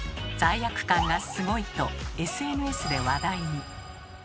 「罪悪感がスゴい！」とＳＮＳで話題に。